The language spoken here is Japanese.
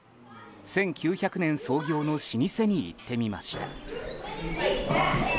１９００年創業の老舗に行ってみました。